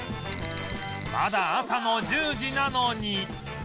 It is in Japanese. まだ朝の１０時なのに